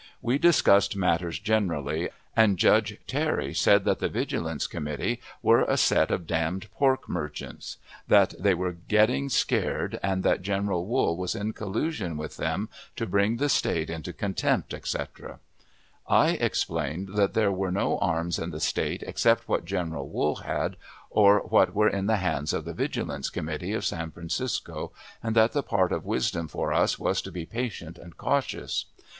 We discussed matters generally, and Judge Terry said that the Vigilance Committee were a set of d d pork merchants; that they were getting scared, and that General Wool was in collusion with them to bring the State into contempt, etc. I explained that there were no arms in the State except what General Wool had, or what were in the hands of the Vigilance Committee of San Francisco, and that the part of wisdom for us was to be patient and cautious.